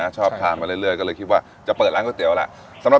ชอบไปชิม